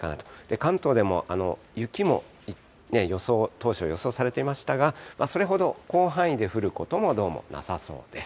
関東でも雪も予想、当初、予想されていましたが、それほど広範囲で降ることも、どうもなさそうです。